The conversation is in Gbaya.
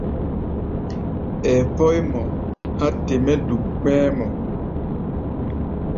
Ɛɛ pɔ́í mɔ há̧ te mɛ́ duk kpɛ́ɛ́ mɔ.